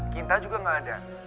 kita juga enggak ada